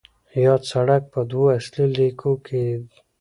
یاد سړک په دوو اصلي لیکو کې